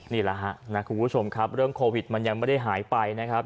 นี่แหละฮะนะคุณผู้ชมครับเรื่องโควิดมันยังไม่ได้หายไปนะครับ